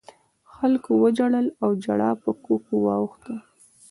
خلکو وژړل او ژړا په کوکو واوښته.